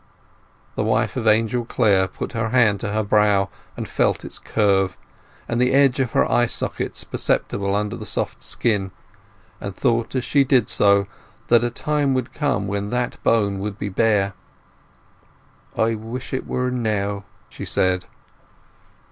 The wife of Angel Clare put her hand to her brow, and felt its curve, and the edges of her eye sockets perceptible under the soft skin, and thought as she did so that a time would come when that bone would be bare. "I wish it were now," she said.